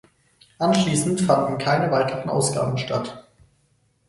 Anschließend fanden keine weiteren Ausgaben statt.